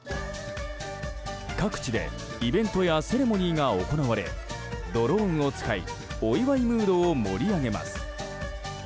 各地でイベントやセレモニーが行われドローンを使いお祝いムードを盛り上げます。